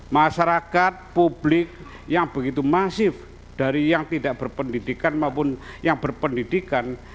masyarakat publik yang begitu masif dari yang tidak berpendidikan maupun yang berpendidikan